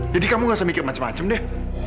jadi kamu gak usah mikir macam macam deh